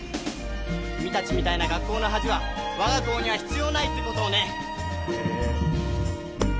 君たちみたいな学校の恥はわが校には必要ないってことをね。